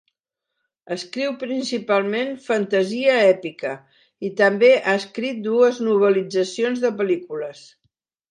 Escriu principalment fantasia èpica, i també ha escrit dues novel·litzacions de pel·lícules.